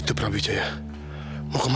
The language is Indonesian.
kalau beritahu dia aku akan menangkapnya